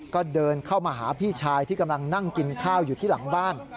ก็เดินเข้ามาหาพี่ชายที่กำลังนั่งกินข้าวอยู่ที่หลังบ้าน